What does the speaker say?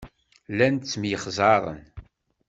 Llan ttemyexzaren.